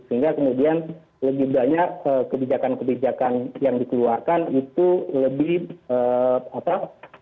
sehingga kemudian lebih banyak kebijakan kebijakan yang dikeluarkan itu lebih apa